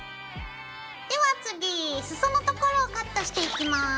では次裾のところをカットしていきます。